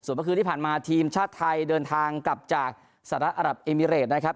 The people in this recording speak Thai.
เมื่อคืนที่ผ่านมาทีมชาติไทยเดินทางกลับจากสหรัฐอรับเอมิเรตนะครับ